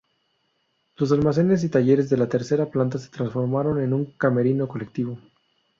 Los almacenes y talleres de la tercera planta se transformaron en un camerino colectivo.